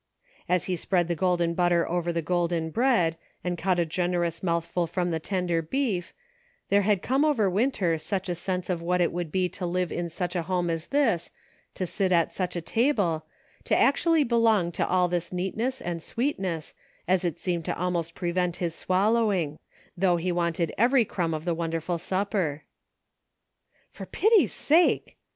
As he spread the golden butter over the golden bread, and cut a generous mouthful from the tender beef, there had come over Winter such a sense of what it would be to live in such a home as this, to sit at such a table, to actually belong to all this neat ness and sweetness, as had seemed to almost pre vent his swallowing ; though he wanted every crumb of the wonderful supper. " For pity's sake